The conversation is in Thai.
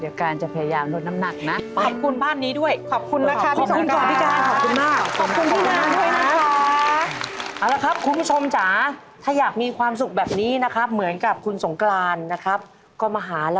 เอาฟันกูขึ้นมา